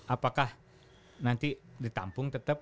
apakah nanti ditampung tetep